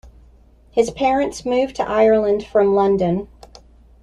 His parents moved to Ireland from London.